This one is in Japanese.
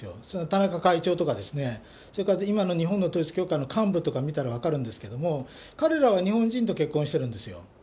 たなか会長とか、今の日本の統一教会の幹部とか見たら分かるんですけども、彼らは日本人と結婚してるんですよ。